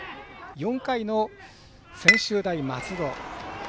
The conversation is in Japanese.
４回の専修大松戸。